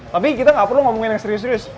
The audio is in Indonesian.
tapi kita gak perlu ngomongin yang serius serius